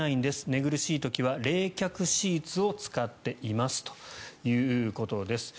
寝苦しい時は冷却シーツを使っていますということです。